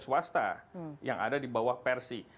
swasta yang ada di bawah versi